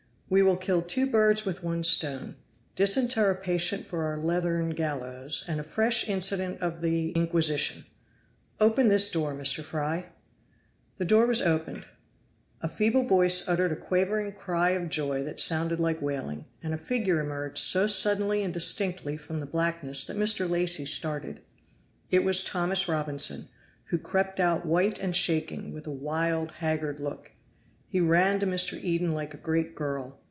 "We will kill two birds with one stone disinter a patient for our leathern gallows, and a fresh incident of the Inquisition. Open this door, Mr. Fry." The door was opened. A feeble voice uttered a quavering cry of joy that sounded like wailing, and a figure emerged so suddenly and distinctly from the blackness that Mr. Lacy started. It was Thomas Robinson, who crept out white and shaking, with a wild, haggard look. He ran to Mr. Eden like a great girl.